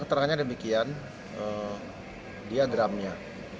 keterangannya demikian dia geramnya